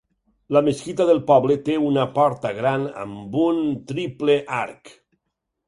La mesquita del poble té una porta gran amb un triple arc.